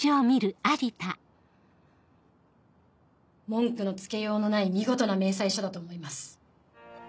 文句のつけようのない見事な明細書だと思います。